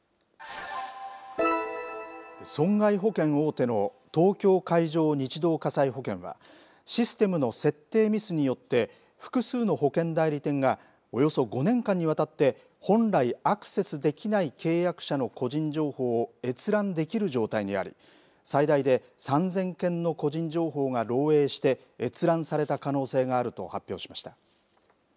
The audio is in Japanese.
損害保険大手の東京海上日動火災保険は、システムの設定ミスによって、複数の保険代理店がおよそ５年間にわたって、本来アクセスできない契約者の個人情報を閲覧できる状態にあり、最大で３０００件の個人情報が漏えいして、閲覧された可能性があると発表しました。